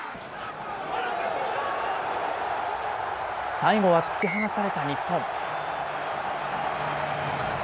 最後は突き放された日本。